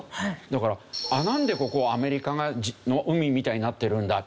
だから「なんでここはアメリカの海みたいになってるんだ？」。